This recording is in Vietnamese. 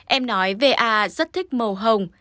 em nói va rất thích màu hồng